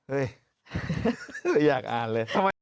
เฮ้ยอยากอ่านเลย